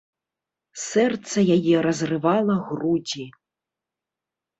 Сэрца яе разрывала грудзі.